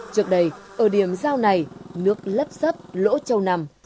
trước đây ở điểm giao này nước lấp dấp lỗ trâu nằm